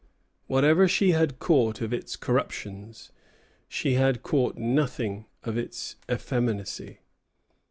Whatever she had caught of its corruptions, she had caught nothing of its effeminacy.